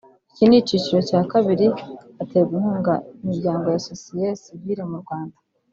Iki ni ikiciro cya kabiri haterwa inkunga imiryango ya Sosiye sivile mu Rwanda